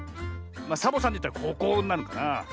サボさんでいったらここになるのかなあ。